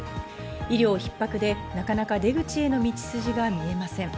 医療ひっ迫でなかなか出口への道筋が見えません。